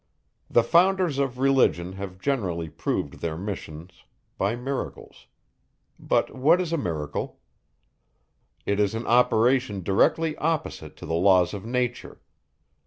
The founders of religion, have generally proved their missions by miracles. But what is a miracle? It is an operation directly opposite to the laws of nature.